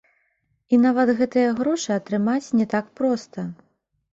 І нават гэтыя грошы атрымаць не так проста.